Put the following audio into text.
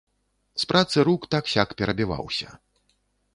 З працы рук так-сяк перабіваўся.